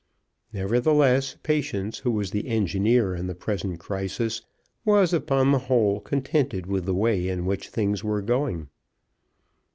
Nevertheless, Patience, who was the engineer in the present crisis, was upon the whole contented with the way in which things were going.